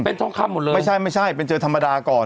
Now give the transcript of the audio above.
เป็นทองคำหมดเลยไม่ใช่ไม่ใช่เป็นเจอธรรมดาก่อน